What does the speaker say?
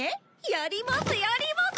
やりますやります！